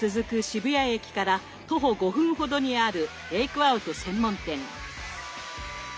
渋谷駅から徒歩５分ほどにあるテイクアウト専門店。